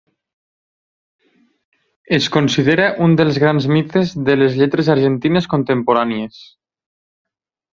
Es considera un dels grans mites de les lletres argentines contemporànies.